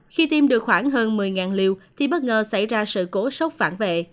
khi tiêm được khoảng hơn một mươi liều thì bất ngờ xảy ra sự cố sốc phản vệ